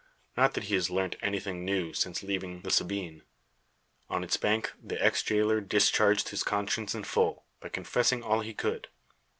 Not that he has learnt anything new since leaving the Sabine. On its banks the ex jailer discharged his conscience in full, by confessing all he could.